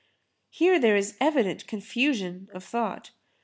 Here there is evident confusion of thought.